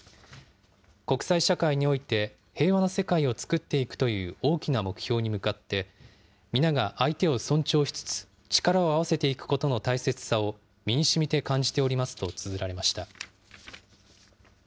国際社会において平和な世界を作っていくという大きな目標に向かって、皆が相手を尊重しつつ、力を合わせていくことの大切さを身にしみて感じておりますとつづられました。